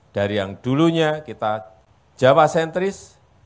dari yang dulunya kita jawa sentris